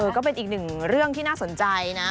ก็เป็นอีกหนึ่งเรื่องที่น่าสนใจนะ